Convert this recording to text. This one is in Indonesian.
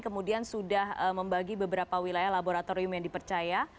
kemudian sudah membagi beberapa wilayah laboratorium yang dipercaya